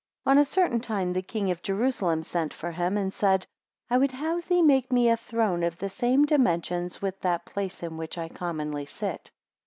5 On a certain time the King of Jerusalem sent for him, and said, I would have thee make me a throne of the same dimensions with that place in which I commonly sit.